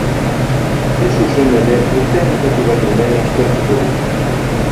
Hain zuzen ere, urtea bukatu baino lehen aztertuko dute.